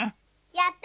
やった！